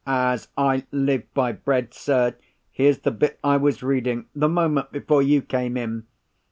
"As I live by bread, sir, here's the bit I was reading, the moment before you came in!